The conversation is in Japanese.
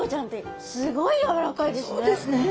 そうですね。